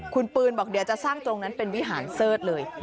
คุณปืนบอกเดี๋ยวจะสร้างตรงนั้นเป็นวิหารเสิร์ธเลย